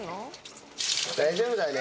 大丈夫だね。